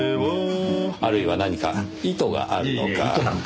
あるいは何か意図があるのか。